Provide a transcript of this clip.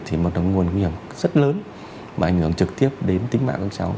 thì một nguồn nguy hiểm rất lớn mà ảnh hưởng trực tiếp đến tính mạng các cháu